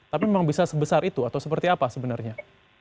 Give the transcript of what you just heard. tapi memang bisa sebesar itu atau seperti apa sebenarnya